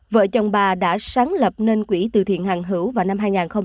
vợ chồng bà đã sáng lập nên quỹ từ thiện hàng hữu vào năm hai nghìn một mươi